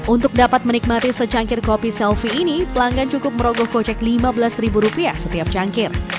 untuk dapat menikmati secangkir kopi selfie ini pelanggan cukup merogoh kocek lima belas setiap cangkir